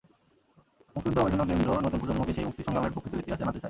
মুক্তিযুদ্ধ গবেষণা কেন্দ্র নতুন প্রজন্মকে সেই মুক্তিসংগ্রামের প্রকৃত ইতিহাস জানাতে চায়।